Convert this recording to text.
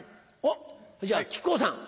じゃあ木久扇さん。